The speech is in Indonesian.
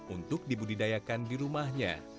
untuk dibudidayakan di rumahnya